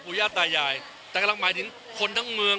ญาติตายายแต่กำลังหมายถึงคนทั้งเมือง